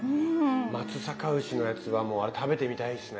松阪牛のやつはもうあれ食べてみたいですね。